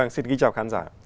xin kính chào khán giả